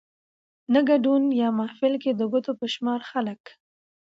نه ګدون يا محفل کې د ګوتو په شمار خلک